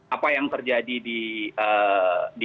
apa yang terjadi di di di